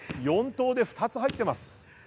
４投で２つ入ってます。